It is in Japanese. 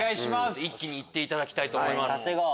一気にいっていただきたいと思います。